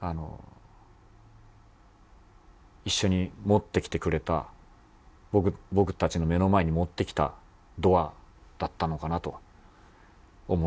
一緒に持ってきてくれた僕たちの目の前に持ってきたドアだったのかなと思うんですね。